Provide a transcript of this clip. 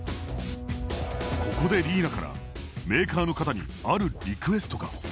ここで梨衣名からメーカーの方にあるリクエストが。